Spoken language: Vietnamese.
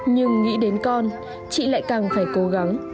nhưng nghĩ đến con chị lại càng phải cố gắng